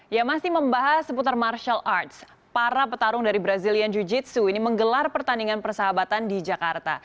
ya masih membahas seputar martial arts para petarung dari brazilian jiu jitsu ini menggelar pertandingan persahabatan di jakarta